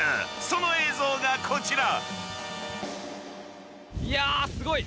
［その映像がこちら］